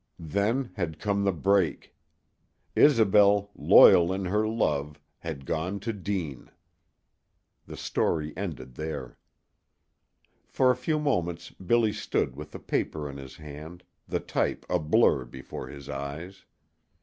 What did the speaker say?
Then had come the break. Isobel, loyal in her love, had gone to Deane. The story ended there. For a few moments Billy stood with the paper in his hand, the type a blur before his eyes.